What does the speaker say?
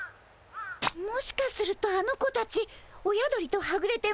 もしかするとあの子たち親鳥とはぐれて迷子なのかも。